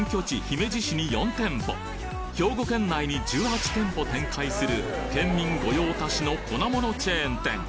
姫路市に４店舗兵庫県内に１８店舗展開する県民御用達の粉ものチェーン店